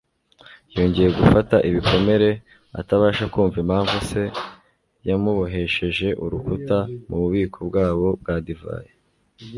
Yongeye gufata ibikomere, atabasha kumva impamvu se yamubohesheje urukuta mu bubiko bwabo bwa divayi.